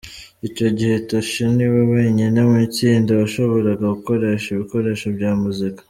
Icyo gihe Tosh niwe wenyine mu itsinda washoboraga gukoresha ibikoresho bya muzika.